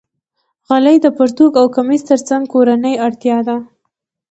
غلۍ د پرتوګ او کمیس تر څنګ کورنۍ اړتیا ده.